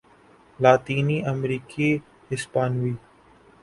لاطینی امریکی ہسپانوی